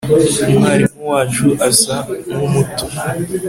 umwarimu wacu asa nkumuto